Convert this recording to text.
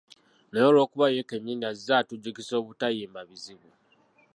Naye olw'okuba ye kennyini azze atujjukiza obutayimba bizibu